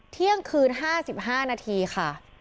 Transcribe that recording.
เที่ยงคืน๕๕นาทีค่ะ